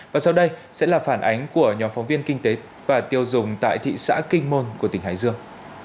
và sau đây sẽ là phản ánh của nhóm phóng viên kinh tế và tiêu dùng tại thị xã kinh môn của tỉnh hải dương